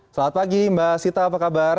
selamat pagi mbak sita apa kabar